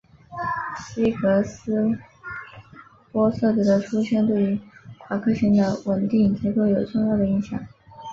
希格斯玻色子的出现对于夸克星的稳定结构有重要的影响。